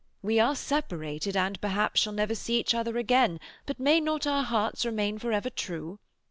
We are separated, and perhaps shall never see each other again, but may not our hearts remain for ever true?